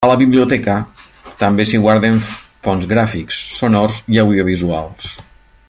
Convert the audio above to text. A la biblioteca també s'hi guarden fons gràfics, sonors i audiovisuals.